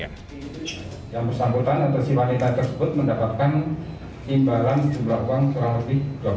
yang bersambutan untuk si wanita tersebut mendapatkan imbalan jumlah uang kurang lebih rp dua puluh dua